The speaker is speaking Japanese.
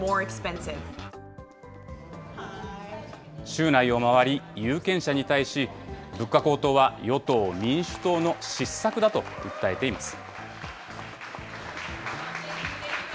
州内を回り、有権者に対し、物価高騰は与党・民主党の失策だと訴えています。